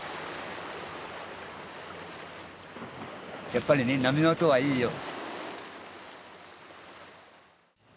やっぱりね波の音はいいよ